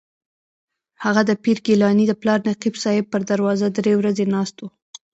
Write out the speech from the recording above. هغه د پیر ګیلاني د پلار نقیب صاحب پر دروازه درې ورځې ناست و.